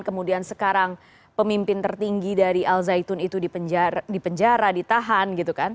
kemudian sekarang pemimpin tertinggi dari al zaitun itu dipenjara ditahan gitu kan